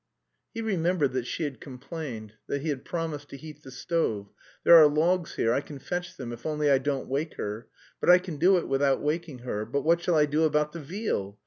He remembered that she had complained, that he had promised to heat the stove. "There are logs here, I can fetch them if only I don't wake her. But I can do it without waking her. But what shall I do about the veal?